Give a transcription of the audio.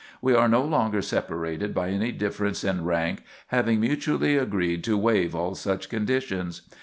We are no longer separated by any difference in rank, having mutually agreed to waive all such conditions.